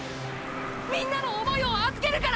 みんなの想いをあずけるから！！